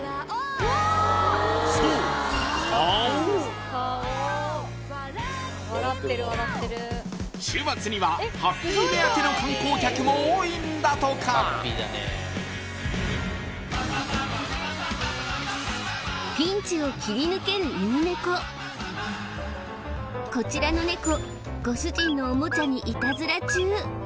そう週末にはハッピー目当ての観光客も多いんだとかこちらのネコご主人のおもちゃにイタズラ中